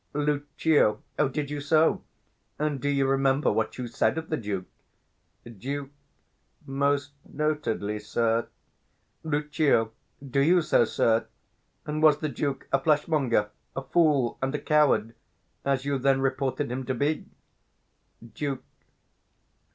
Lucio. O, did you so? And do you remember what you said of the Duke? Duke. Most notedly, sir. 330 Lucio. Do you so, sir? And was the Duke a flesh monger, a fool, and a coward, as you then reported him to be? _Duke.